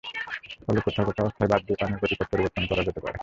ফলে কোথাও কোথাও অস্থায়ী বাঁধ দিয়ে পানির গতিপথ পরিবর্তন করা হতে পারে।